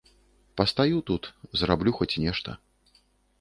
Пастаю тут, зараблю хоць нешта.